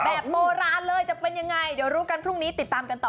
แบบโบราณเลยจะเป็นยังไงเดี๋ยวรู้กันพรุ่งนี้ติดตามกันต่อ